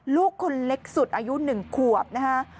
ลูกคนเล็กสุดอายุ๑ขวบนะฮะ